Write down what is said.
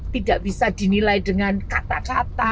tidak bisa dinilai dengan kata kata